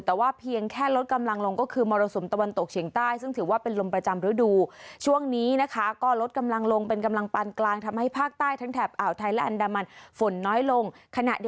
แต่ว่าเพียงแค่ลดกำลังลงก็คือมรสมตะวันตกเฉียงใต้